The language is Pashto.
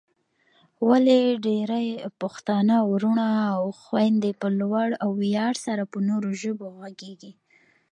ولې ډېرای پښتانه وروڼه او خويندې په لوړ ویاړ سره په نورو ژبو غږېږي؟